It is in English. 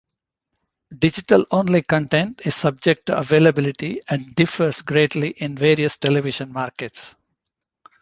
Digital-only content is subject to availability and differs greatly in various television markets.